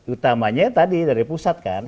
utamanya tadi dari pusat kan